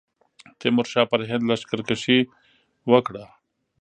تیمورشاه پر هند لښکرکښي وکړه.